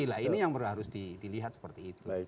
nah ini yang harus dilihat seperti itu